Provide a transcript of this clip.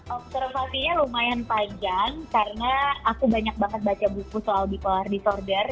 observasinya lumayan panjang karena aku banyak banget baca buku soal bipolar disorder